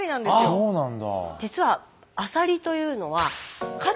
そうなんだ。